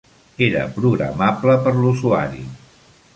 Era programable per l'usuari.